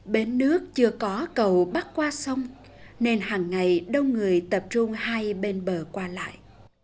bến nước chưa có cầu bắc qua sông nên hàng ngày đông người tập trung hai bên bờ qua lại